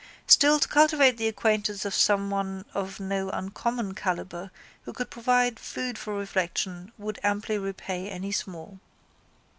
Still to cultivate the acquaintance of someone of no uncommon calibre who could provide food for reflection would amply repay any small.